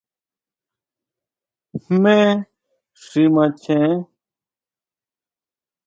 ¿Jmé xi macheén?